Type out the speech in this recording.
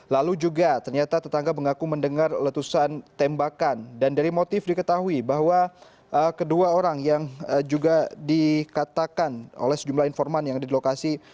lalu juga ternyata tetangga mengaku mendengar letusan tembakan dan dari motif diketahui bahwa kedua orang yang juga dikatakan oleh sejumlah informan yang ada di lokasi